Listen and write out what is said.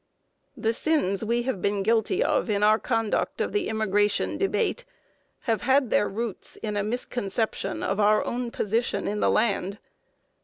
The sins we have been guilty of in our conduct of the immigration debate have had their roots in a misconception of our own position in the land.